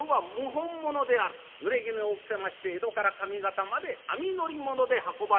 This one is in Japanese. ぬれぎぬを着せまして江戸から上方まで網乗り物で運ばれます。